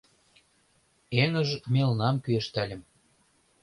Эҥыж мелнам кӱэштальым.